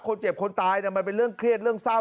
คนเจ็บคนตายมันเป็นเรื่องเครียดเรื่องเศร้า